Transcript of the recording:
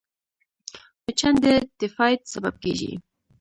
مچان د تيفايد سبب کېږي